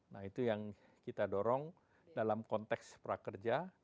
nah itu yang kita dorong dalam konteks prakerja